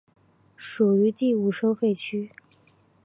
属于第五收费区。